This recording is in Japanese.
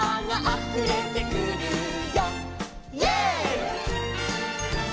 「あふれてくるよ」